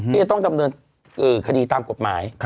ที่จะต้องดำเนินคดีตามกฎหมาย